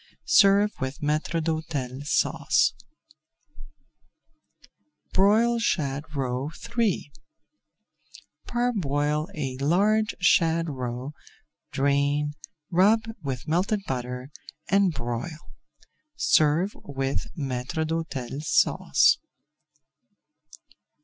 Serve with Maître d'Hôtel Sauce. [Page 338] BROILED SHAD ROE III Parboil a large shad roe, drain, rub with melted butter, and broil. Serve with Maître d'Hôtel Sauce.